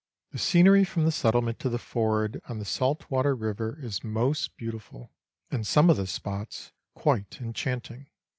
The scenery from the settlement to the ford on the Saltwater River is most beautiful, and some of the spots quite enchanting.